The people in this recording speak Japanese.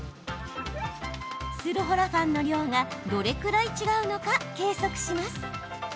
スルフォラファンの量がどれくらい違うのか計測します。